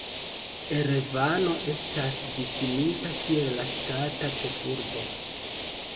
Erevano estas difinita kiel la ŝtata ĉefurbo.